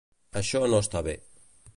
Això no està bé.